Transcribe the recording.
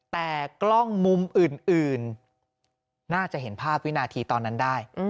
แต่กล้องมุมอื่นน่าจะเห็นภาพวินาทีตอนนั้นได้